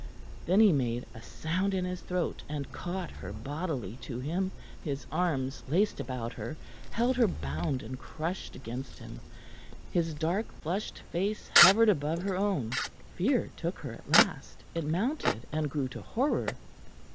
Then he made a sound in his throat, and caught her bodily to him; his arms, laced about her, held her bound and crushed against him. His dark, flushed face hovered above her own. Fear took her at last. It mounted and grew to horror.